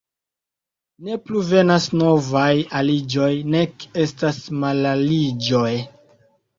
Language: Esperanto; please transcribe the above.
Ne plu venas novaj aliĝoj, nek estas malaliĝoj.